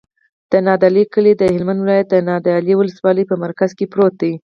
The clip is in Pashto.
د نادعلي کلی د هلمند ولایت، نادعلي ولسوالي په مرکز کې پروت دی.